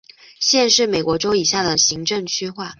县是美国州以下的行政区划。